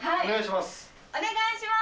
お願いします。